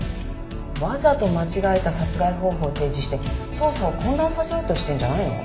わざと間違えた殺害方法提示して捜査を混乱させようとしてるんじゃないの？